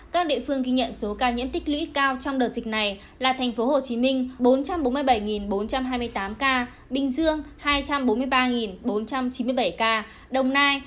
các địa phương ghi nhận số ca nhiễm tích lũy cao trong đợt dịch này là thành phố hồ chí minh bốn trăm bốn mươi bảy bốn trăm hai mươi tám ca bình dương hai trăm bốn mươi ba bốn trăm chín mươi bảy ca đồng nai